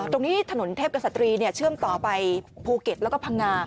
ตรงนี้ถนนเทพกษตรีเชื่อมต่อไปภูเก็ตแล้วก็พังงา